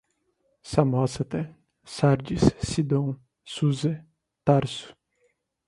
Samósata, Sárdis, Sidom, Susa, Tarso